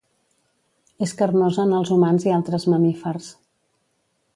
És carnosa en els humans i altres mamífers.